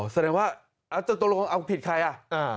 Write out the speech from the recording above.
อ๋อเสร็จแหละว่าตัวลงเอาผิดใครอ่ะ